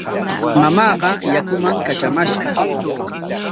Mamaaqa yakuman katramashqa.